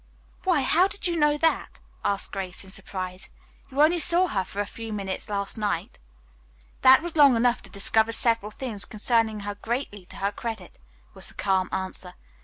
"Why, how did you know that?" asked Grace in surprise. "You only saw her for a few minutes last night." "That was long enough to discover several things concerning her greatly to her credit," was the calm answer.